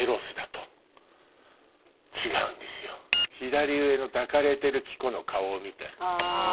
左上の抱かれてる希子の顔を見て。